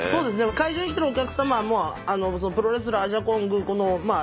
会場に来てるお客様もプロレスラーアジャコングまあ